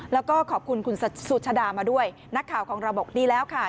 แล้วก็ขอบคุณคุณสุชาดามาด้วยนักข่าวของเราบอกดีแล้วค่ะ